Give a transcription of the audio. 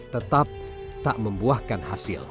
tetap tak membuahkan hasil